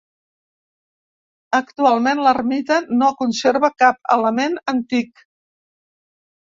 Actualment l'ermita no conserva cap element antic.